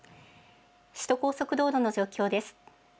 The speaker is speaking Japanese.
首都高速道路の状況です。